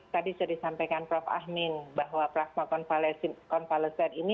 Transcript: tadi sudah disampaikan prof amin bahwa plasma konvalesen ini